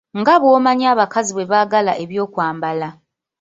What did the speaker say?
Nga bwomanyi abakazi bwe baagala eby'okwambala.